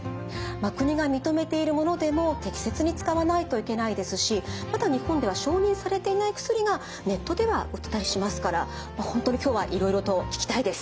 国が認めているものでも適切に使わないといけないですしまだ日本では承認されていない薬がネットでは売ってたりしますから本当に今日はいろいろと聞きたいです。